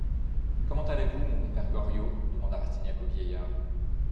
Comment allez-vous, mon bon père Goriot ? demanda Rastignac au vieillard.